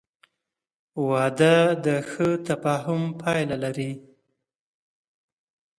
• واده د ښه تفاهم پایله لري.